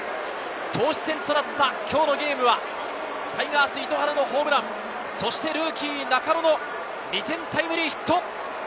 投手戦となった今日のゲームは、タイガース・糸原のホームラン、そしてルーキー・中野の２点タイムリーヒット。